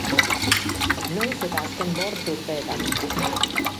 Noiz eta azken bortz urteetan.